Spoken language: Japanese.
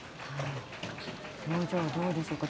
表情、どうでしょうか。